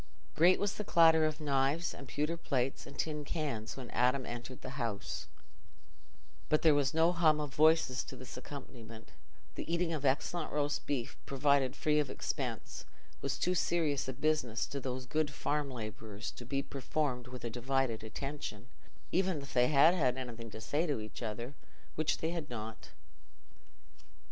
Great was the clatter of knives and pewter plates and tin cans when Adam entered the house, but there was no hum of voices to this accompaniment: the eating of excellent roast beef, provided free of expense, was too serious a business to those good farm labourers to be performed with a divided attention, even if they had had anything to say to each other—which they had not.